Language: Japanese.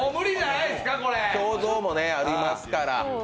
胸像もありますから。